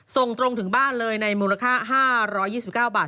ส่งตรงถึงบ้านเลยในมูลค่า๕๒๙บาท